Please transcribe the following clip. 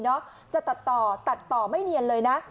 จะตัดต่อตัดต่อไม่เนียนเลยนะ